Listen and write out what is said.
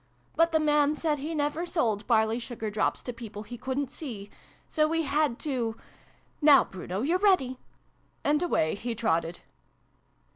But the man said he never sold barley sugar drops to people he couldn't see. So we had to Now, Bruno, you're ready !" And away he trotted.